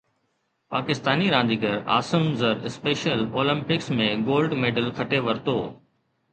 پاڪستاني رانديگر عاصم زر special Olympics ۾ gold medal کٽي ورتو